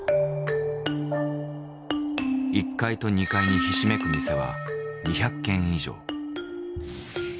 １階と２階にひしめく店は２００軒以上。